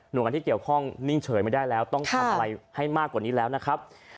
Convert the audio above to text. งานที่เกี่ยวข้องนิ่งเฉยไม่ได้แล้วต้องทำอะไรให้มากกว่านี้แล้วนะครับ